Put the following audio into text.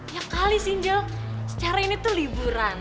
ya kali sih njel secara ini tuh liburan